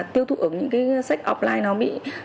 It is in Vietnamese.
tiêu thụ ở những cái sách offline nó bị